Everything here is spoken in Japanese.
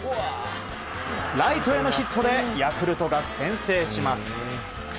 ライトへのヒットでヤクルトが先制します。